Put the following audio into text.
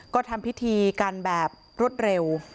ก็ทำพิธีกันแบบรวดเร็ว